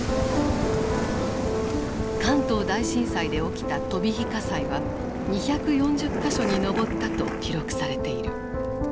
関東大震災で起きた飛び火火災は２４０か所に上ったと記録されている。